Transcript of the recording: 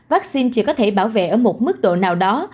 vaccine chỉ có thể bảo vệ ở một mức độ nào đó